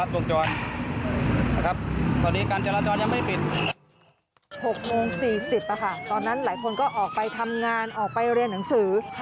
ตอนนั้นหลายคนก็ออกไปทำงานออกไปเรียนหนังสือ